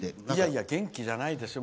いや、元気じゃないですよ。